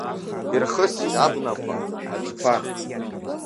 Ирхысит абнақәа, аӡқәа.